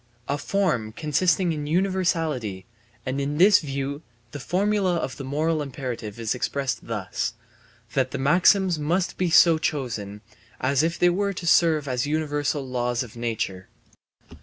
A form, consisting in universality; and in this view the formula of the moral imperative is expressed thus, that the maxims must be so chosen as if they were to serve as universal laws of nature.